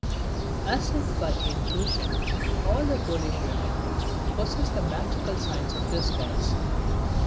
As if by intuition, all the Polish women possess the magical science of this dance.